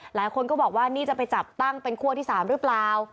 หลายคนก็บอกว่านี่จะไปจับตั้งเป็นคั่วที่๓หรือเปล่า